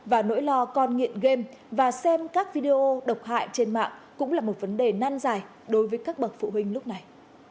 và nỗi lo con nghiện game và xem các video độc hại trên mạng cũng là một vấn đề nan dài đối với các bậc phụ huynh lúc này